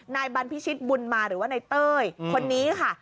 นายบรรพิชิตบุญมาหรือว่านายเต้ยคนนี้ค่ะ